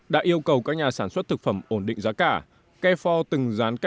đã yêu cầu các nhà sản xuất thực phẩm ổn định giá cả